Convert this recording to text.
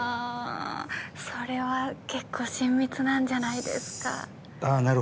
それは、結構親密なんじゃないですか。